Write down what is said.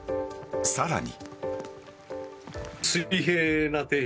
さらに。